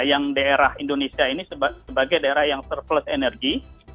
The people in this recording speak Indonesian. yang daerah indonesia ini sebagai daerah yang surplus energi